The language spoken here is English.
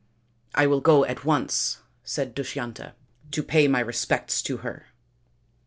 " I will go at once," said Dushyanta, " to pay my respects to her."